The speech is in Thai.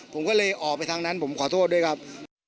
ผมก็เลยออกไปทางนั้นผมขอโทษด้วยครับ